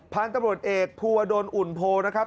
พันธุ์ตำรวจเอกภูวดลอุ่นโพนะครับ